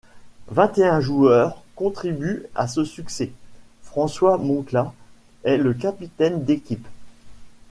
Vingt et un joueurs contribuent à ce succès, François Moncla est le capitaine d'équipe.